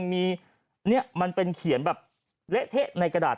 มีนี่มันเป็นเขียนแบบเละเทะในกระดาษ